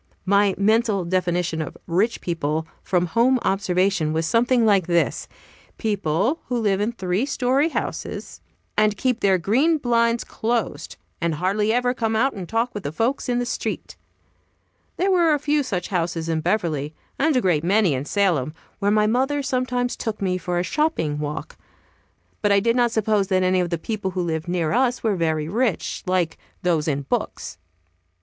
My mental definition of "rich people," from home observation, was something like this: People who live in three story houses, and keep their green blinds closed, and hardly ever come out and talk with the folks in the street. There were a few such houses in Beverly, and a great many in Salem, where my mother sometimes took me for a shopping walk. But I did not suppose that any of the people who lived near us were very rich, like those in books.